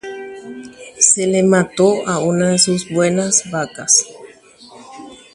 Ojejukámbora'e ichugui ivakami porã peteĩ.